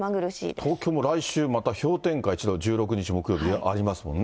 東京も来週また氷点下１度、１６日木曜日ありますもんね。